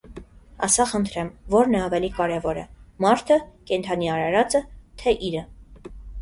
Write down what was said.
Ասա խնդրեմ, ո՞րն է ավելի կարևորը,- մա՞րդը, կենդանի արարա՞ծը, թե իրը.